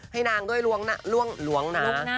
ให้นางด้วยล้วงน้ำ